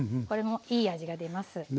これもいい味が出ます。